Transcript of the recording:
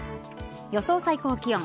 予想最高気温。